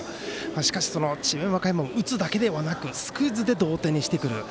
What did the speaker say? しかし、智弁和歌山も打つだけではなくスクイズで同点にしてくる。